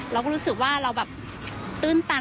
เราก็รู้สึกว่าเราแบบตื้นตัน